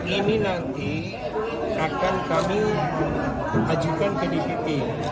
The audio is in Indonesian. ini nanti akan kami ajukan ke dpt